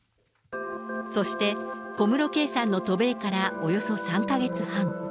そして、小室圭さんの渡米からおよそ３か月半。